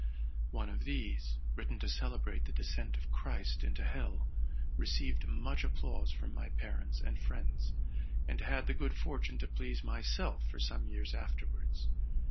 One of these, written to celebrate the descent of 118 TRUTH AND FICTION Christ into hell, received much applause from my parents and friends, and had the good fortune to please myself for some years afterwards.